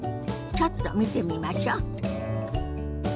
ちょっと見てみましょ。